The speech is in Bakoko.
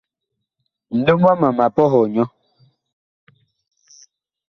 Nlom wama ma pɔhɔɔ nyɔ.